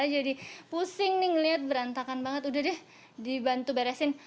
jadi pusing nih ngeliat berantakan banget udah deh dibantu beresin